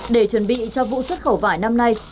để chuẩn bị cho vụ xuất khẩu vải năm nay